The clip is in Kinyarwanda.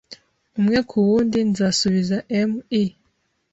umwe ku wundi nzasubiza 'em. I.